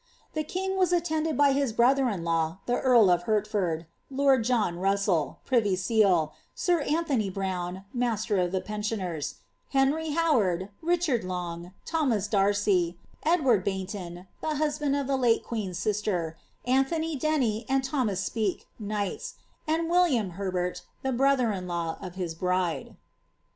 The king w« attended by his l)roihor in law, the earl of Hertford, lord John Russdlj privy seal, sir Antliony Browne, master of the pensioners, Henry How ard, Richard LouiT, Thomas d'Arcy, Edward Baynton, the huslwndot the late queen's sister, Anthony Denny and Thomas Speke, knighis, and ^Villiam Herbert, the broilier in law of his bride.